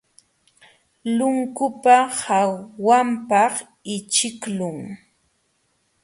Lunkupa hawanpaq ićhiqlun.